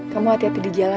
kamu hati hati di jalan ya